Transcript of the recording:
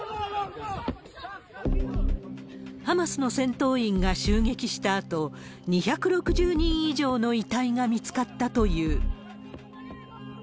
ハマスの戦闘員が襲撃したあと、２６０人以上の遺体が見つかったという。